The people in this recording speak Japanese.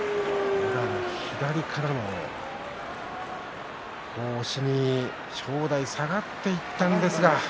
宇良の左からの押しに正代下がっていきましたが。